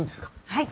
はい。